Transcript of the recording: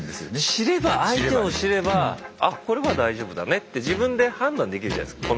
知れば相手を知ればあこれは大丈夫だねって自分で判断できるじゃないですか。